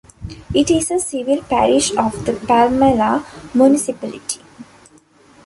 It is a civil parish of the Palmela Municipality.